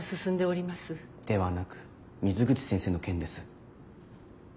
ではなく水口先生の件です。